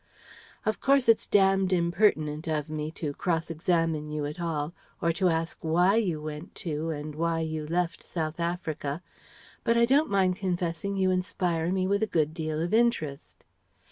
Of course it's damned impertinent of me to cross examine you at all, or to ask why you went to and why you left South Africa. But I don't mind confessing you inspire me with a good deal of interest.